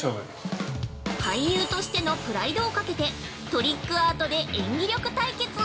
◆俳優としてのプライドをかけてトリックアートで演技力対決。